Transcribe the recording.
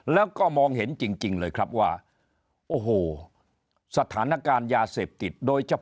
แล้วก็มองเห็นจริงเลยครับว่าโอ้โหสถานการณ์ยาเสพติดโดยเฉพาะ